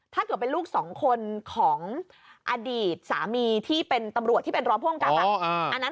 ถ้าเกิดเป็นลูกสองคนของอดีตสามีที่เป็นตำรวจที่เป็นรองผู้กำกับ